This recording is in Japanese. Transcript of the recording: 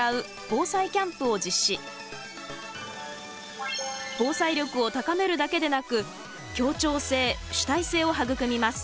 防災力を高めるだけでなく協調性主体性を育みます。